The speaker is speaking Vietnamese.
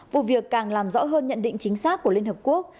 vụ việc càng làm rõ hơn nhận định chính xác của liên hợp quốc